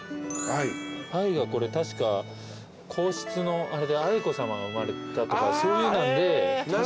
愛はこれ確か皇室のあれで愛子さまが生まれたとかそういうなんで。